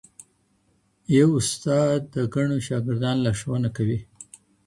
یو استاد د ګڼو شاګردانو لارښوونه کوي.